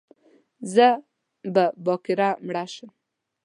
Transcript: زه به باکره مړه شم